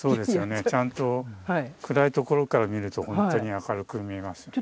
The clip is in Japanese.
ちゃんと暗い所から見ると本当に明るく見えますよね。